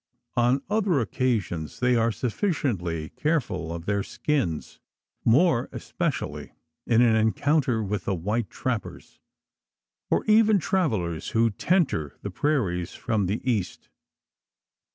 On other occasions, they are sufficiently careful of their skins more especially in an encounter with the white trappers, or even travellers who tenter the prairies from the east.